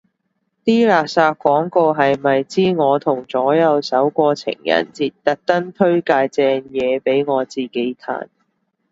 啲垃圾廣告係咪知我同左右手過情人節，特登推介正嘢俾我自己嘆